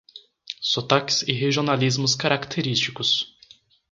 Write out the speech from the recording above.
Sotaques e regionalismos característicos